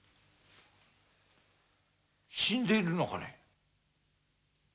死んでいるのかね？